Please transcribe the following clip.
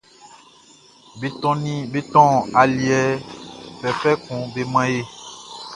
Be tɔn aliɛ fɛfɛ kun be man e.